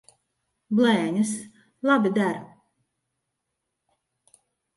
Blēņas! Labi der.